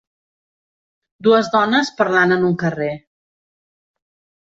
Dues dones parlant en un carrer.